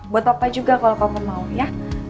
buat papa juga kalau papa mau ya